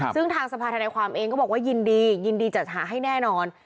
ซึ่งทางสภาธนาความเองก็บอกว่ายินดียินดีจัดหาให้แน่นอน